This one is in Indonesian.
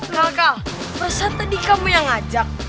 kaka perasaan tadi kamu yang ngajak